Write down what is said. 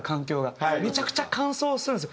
めちゃくちゃ乾燥するんですよ。